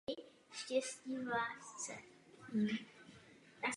Také je třeba, abychom jí pomohli se zorganizovat.